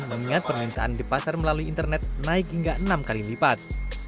mengingat permintaan di pasar melalui internet naik hingga enam kali lipat